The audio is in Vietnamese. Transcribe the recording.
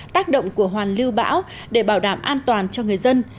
tác động của hoàn lưu bão để bảo đảm an toàn cho người dân